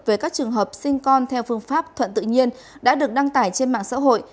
về các trường hợp sinh con theo phương pháp thuận tự nhiên đã được đăng tải trên mạng xã hội